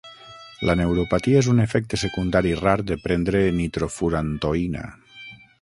La neuropatia és un efecte secundari rar de prendre nitrofurantoïna.